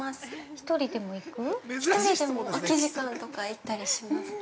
◆１人でも、空き時間とか行ったりします。